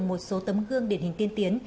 một số tấm gương điển hình tiên tiến